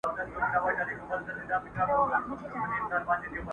او که نه نو عاقبت به یې د خره وي،